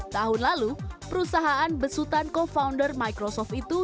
tahun lalu perusahaan besutan co founder microsoft itu